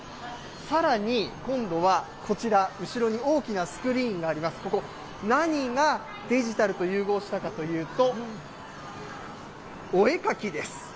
さらに、今度はこちら、後ろに大きなスクリーンがあります、ここ、何がデジタルと融合したかというと、お絵描きです。